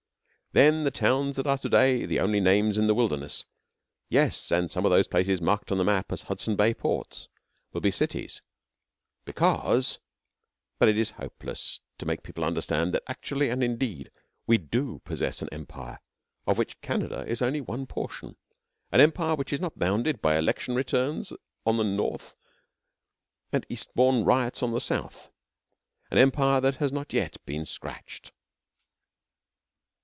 Then the towns that are to day the only names in the wilderness, yes, and some of those places marked on the map as Hudson Bay Ports, will be cities, because but it is hopeless to make people understand that actually and indeed, we do possess an Empire of which Canada is only one portion an Empire which is not bounded by election returns on the North and Eastbourne riots on the South an Empire that has not yet been scratched.